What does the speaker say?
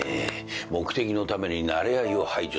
目的のためになれ合いを排除する。